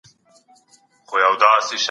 د وطن مينه د ايمان برخه ده.